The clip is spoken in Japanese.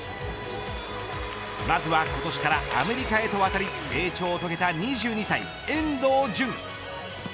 まずは今年からアメリカへと渡り成長を遂げた２２歳、遠藤純。